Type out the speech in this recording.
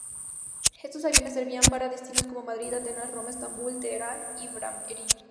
Estos aviones servían para destinos como Madrid, Atenas, Roma, Estambul, Teherán y Bahrein.